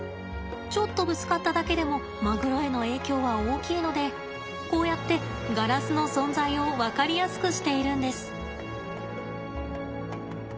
ちょっとぶつかっただけでもマグロへの影響は大きいのでこうやってガラスの存在を分かりやすくしているんです。